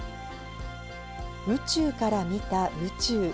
宇宙から見た宇宙。